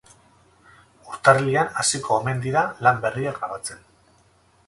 Urtarrilean hasiko omen dira lan berria grabatzen.